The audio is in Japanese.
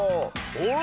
あれ？